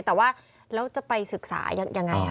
แต่ว่าเราจะไปศึกษาอย่างไร